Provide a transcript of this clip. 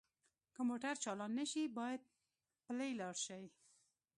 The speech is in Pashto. که موټر چالان نه شي باید پلی لاړ شئ